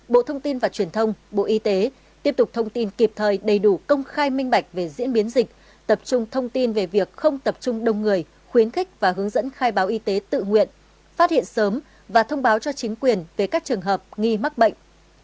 bộ thông tin và truyền thông bộ y tế tiếp tục thông tin kịp thời đầy đủ công khai minh bạch về diễn biến dịch tập trung thông tin về việc không tập trung đông người khuyến khích và hướng dẫn khai báo y tế tự nguyện phát hiện sớm và thông báo cho chính quyền về các trường hợp nghi mắc bệnh